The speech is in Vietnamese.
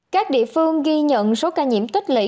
các địa phương ghi nhận số ca nhiễm tích lũy